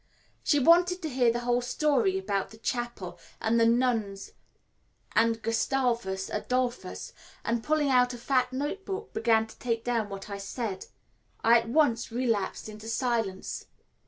She wanted to hear the whole story about the chapel and the nuns and Gustavus Adolphus, and pulling out a fat note book began to take down what I said. I at once relapsed into silence.